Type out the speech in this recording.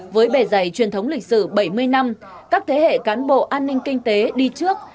với bề dày truyền thống lịch sử bảy mươi năm các thế hệ cán bộ an ninh kinh tế đi trước